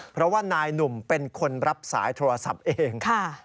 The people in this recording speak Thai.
เพราะว่านายหนุ่มเป็นคนรับสายโทรศัพท์เอง